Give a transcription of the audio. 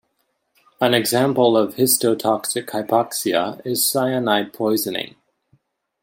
An example of histotoxic hypoxia is cyanide poisoning.